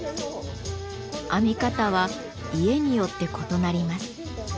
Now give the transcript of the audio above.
編み方は家によって異なります。